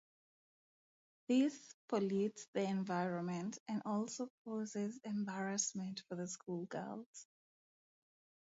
This pollutes the environment and also causes embarrassment for the school girls.